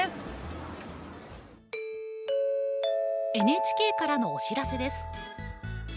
ＮＨＫからのお知らせです。